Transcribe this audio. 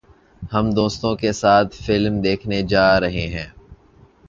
ہم دوستوں کے ساتھ فلم دیکھنے جا رہے ہیں